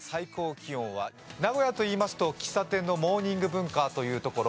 名古屋といいますと、喫茶店のモーニング文化というところ。